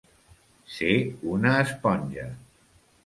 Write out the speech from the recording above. Ser una esponja.